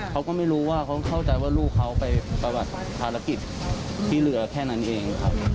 เขาก็ไม่รู้ว่าเขาเข้าใจว่าลูกเขาไปปฏิบัติภารกิจที่เรือแค่นั้นเองครับ